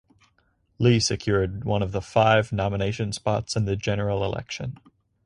Li secured one of the five nomination spots in the general election.